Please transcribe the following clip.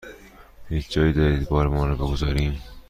هیچ جایی دارید بارمان را بگذاریم؟